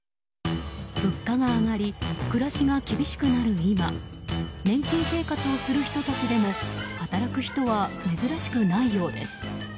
物価が上がり暮らしが厳しくなる今年金生活をする人たちでも働く人は珍しくないようです。